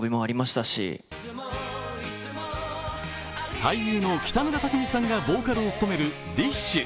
俳優の北村匠海さんがボーカルを務めるＤＩＳＨ／／。